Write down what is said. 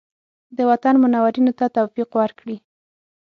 د وطن منورینو ته توفیق ورکړي.